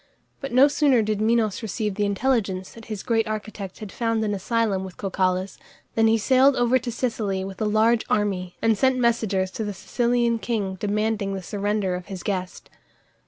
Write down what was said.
But no sooner did Minos receive the intelligence that his great architect had found an asylum with Cocalus than he sailed over to Sicily with a large army, and sent messengers to the Sicilian king demanding the surrender of his guest.